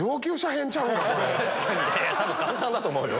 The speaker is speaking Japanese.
いや多分簡単だと思うよ。